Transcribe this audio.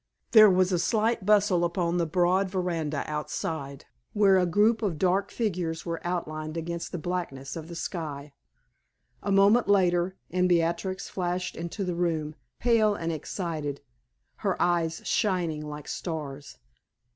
There was a slight bustle upon the broad veranda outside, where a group of dark figures were outlined against the blackness of the sky. A moment later and Beatrix flashed into the room, pale and excited, her eyes shining like stars.